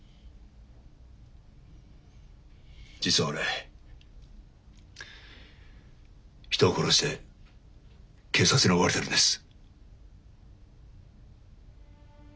実は俺人を殺して警察に追われてるんです。